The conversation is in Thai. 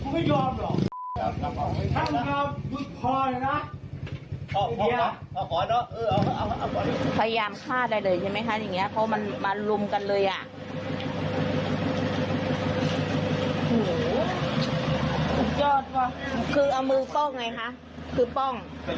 พี่บอสเดี๋ยวนะเมื่อกี้พี่บอกอะไรนะคนหนึ่งชอบคนหนึ่งแช่ง